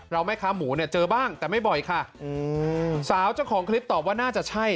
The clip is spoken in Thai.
แม่ค้าหมูเนี่ยเจอบ้างแต่ไม่บ่อยค่ะอืมสาวเจ้าของคลิปตอบว่าน่าจะใช่